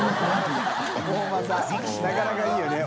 なかなかいいよね。